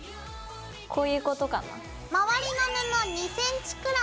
こういうことかな？